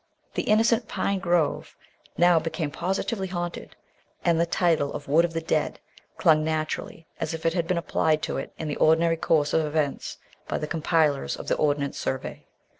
The innocent pine grove now became positively haunted, and the title of "Wood of the Dead" clung naturally as if it had been applied to it in the ordinary course of events by the compilers of the Ordnance Survey.